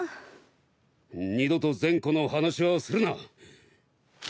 二度と善子の話はするな。